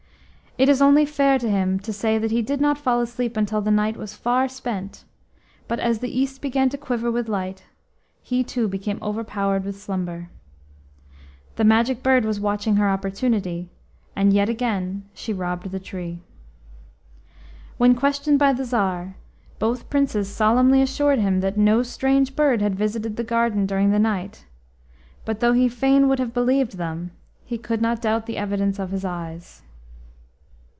It is only fair to him to say that he did not fall asleep until the night was far spent, but as the East began to quiver with light, he too became overpowered with slumber. The Magic Bird was watching her opportunity, and yet again she robbed the tree. When questioned by the Tsar, both Princes solemnly assured him that no strange bird had visited the garden during the night, but though he fain would have believed them, he could not doubt the evidence of his eyes.